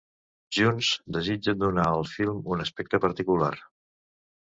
Junts, desitgen donar al film un aspecte particular.